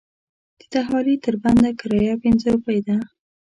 د دهالې تر بنده کرایه پنځه روپۍ ده.